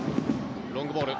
ロングボール。